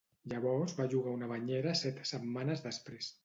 Llavors va llogar una banyera set setmanes després.